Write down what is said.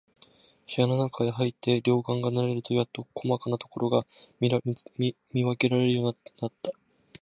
部屋のなかへ入って、両眼が慣れるとやっと、こまかなところが見わけられるのだった。